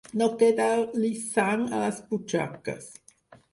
No quedar-li sang a les butxaques.